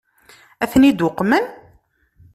Ad ten-id-uqmen?